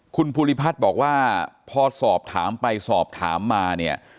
คุณภูริพัฒน์บอกว่าพอสอบถามไปสอบถามมาเนี่ย